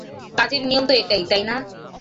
কাজের নিয়ম তো এটাই, তাই না?